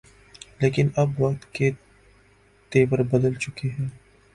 لیکن اب وقت کے تیور بدل چکے ہیں۔